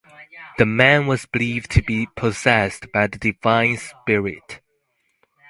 The man was believed to be possessed by the divine spirit.